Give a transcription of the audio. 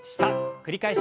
繰り返し。